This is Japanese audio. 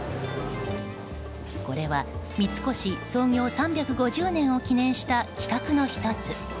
これは三越創業３５０年を記念した企画の１つ。